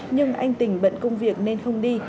nhưng anh tình bận công việc nên không đi